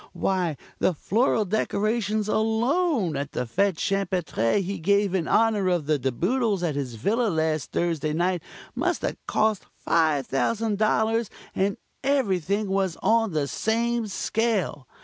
Why, the floral decorations alone at the Fête Champêtre he gave in honor of the De Boodles at his villa last Thursday night must have cost $5,000, and everything was on the same scale.